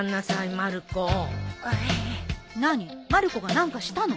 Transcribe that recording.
まる子が何かしたの？